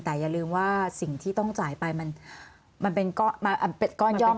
แต่อย่าลืมว่าสิ่งที่ต้องจ่ายไปมันเป็นก้อนย่อม